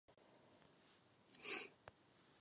Také měli jednu nominaci na Grammy.